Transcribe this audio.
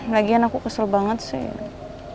lagian aku kesel banget sih